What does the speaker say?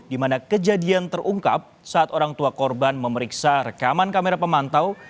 di mana kejadian terungkap saat orang tua korban memeriksa rekaman kamera pemantau